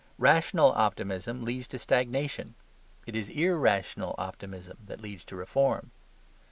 Rational optimism leads to stagnation: it is irrational optimism that leads to reform.